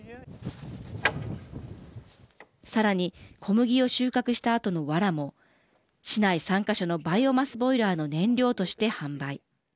さらに小麦を収穫したあとのわらも市内３か所のバイオマスボイラーの燃料として販売。